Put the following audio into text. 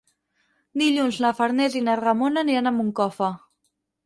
Dilluns na Farners i na Ramona aniran a Moncofa.